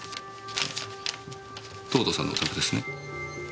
藤堂さんのお宅ですね？